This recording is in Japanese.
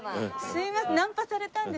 すいません。